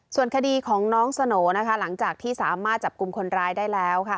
ส่วนคดีของน้องสโหน่นะคะหลังจากที่สามารถจับกลุ่มคนร้ายได้แล้วค่ะ